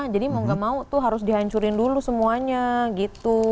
jadi mau gak mau tuh harus dihancurin dulu semuanya gitu